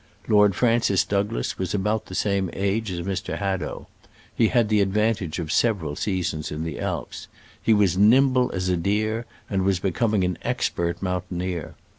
Lord Francis Douglas was about the same age as Mr. Hadow. He had had the advantage of several seasons in the Alps. He was nimble as a deer, and was becoming an expert mountaineer.